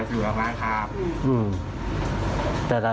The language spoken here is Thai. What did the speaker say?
คนเนี่ยครับช่วยครับ